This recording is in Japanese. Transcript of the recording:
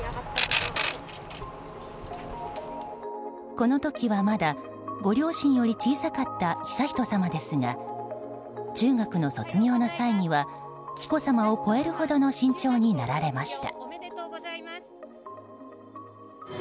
この時はまだご両親より小さかった悠仁さまですが中学の卒業の際には紀子さまを超えるほどの身長になられました。